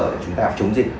để chúng ta chống dịch